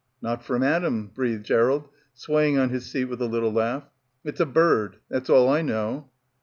"Not from Adam," breathed Gerald, swaying on his seat with a little laugh. "It's a bird. That's all I know."